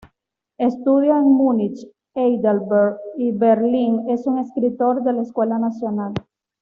Estudió en Múnich, Heidelberg y Berlín Es un escritor de la escuela nacional.